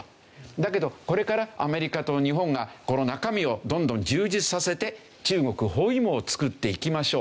だけどこれからアメリカと日本がこの中身をどんどん充実させて中国包囲網を作っていきましょう。